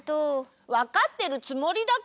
わかってるつもりだけど。